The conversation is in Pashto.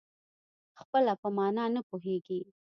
خپله په مانا نه پوهېږي.